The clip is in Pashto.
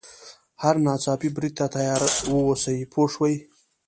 هر ناڅاپي برید ته تیار واوسي پوه شوې!.